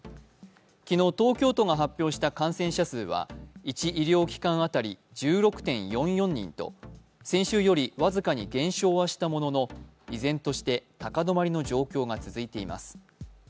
昨日、東京都が発表した感染者数は１医療機関当たり１６．４４人と、先週より僅かに減少はしたものの依然として高止まりの状況が続いています。